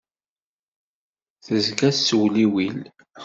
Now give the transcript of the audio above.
Tezga tettewliwil.